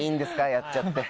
やっちゃって。